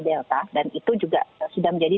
delta dan itu juga sudah menjadi